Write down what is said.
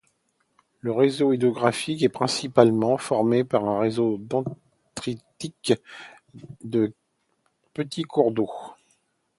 Le réseau hydrographique est principaleement formé par un réseau dentritique de petits cours d'eau.